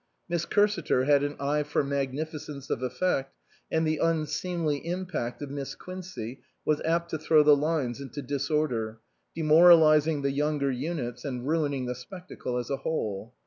Miss Cursiter had an eye for magnificence of effect, and the unseemly impact of Miss Quincey was apt to throw the lines into disorder, de moralising the younger units and ruining the spectacle as a whole.